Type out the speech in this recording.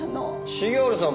重治さん